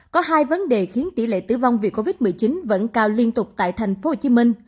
có hai vấn đề khiến tỷ lệ tử vong vì covid một mươi chín vẫn cao liên tục tại tp hcm